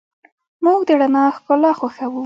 موږ د رڼا ښکلا خوښو.